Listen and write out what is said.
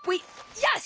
よし！